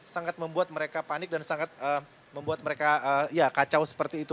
sangat membuat mereka panik dan sangat membuat mereka ya kacau seperti itu